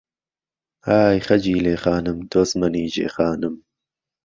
ئای خهجیلێ خانم دۆست مهنیجێ خانم